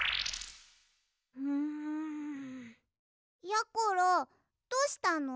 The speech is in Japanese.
やころどうしたの？